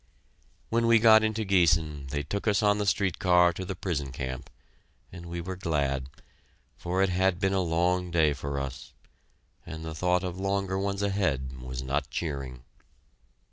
When we got into Giessen, they took us on the street car to the prison camp, and we were glad, for it had been a long day for us, and the thought of longer ones ahead was not cheering.